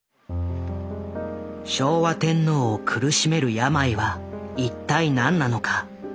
昭和天皇を苦しめる病は一体何なのか。